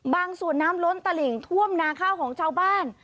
บางส่วนน้ำล้นตลิ่งท่วมนาข้าวของชาวบ้าน